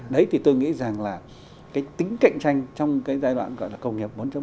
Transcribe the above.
đấy thì tôi nghĩ rằng là cái tính cạnh tranh trong cái giai đoạn gọi là công nghiệp bốn